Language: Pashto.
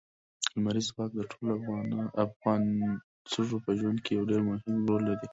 لمریز ځواک د ټولو افغان ښځو په ژوند کې یو ډېر مهم رول لري.